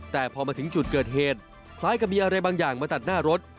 แต่พอมาถึงจุดเกิดเหตุคล้ายกับมีอะไรบางอย่างมาตัดหน้ารถ